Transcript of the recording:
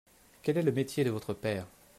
Quelle est le métier de votre père ?